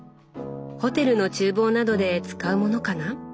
ホテルの厨房などで使うものかな？